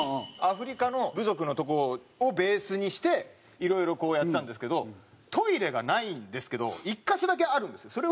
アフリカの部族のとこをベースにしていろいろこうやってたんですけどトイレがないんですけど１カ所だけあるんですよ。